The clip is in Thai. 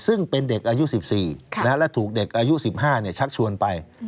ซึ่งเป็นเด็กอายุ๑๔และถูกเด็กอายุ๑๕ชักชวนไป